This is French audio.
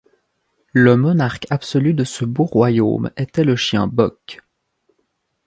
Le monarque absolu de ce beau royaume était le chien Buck.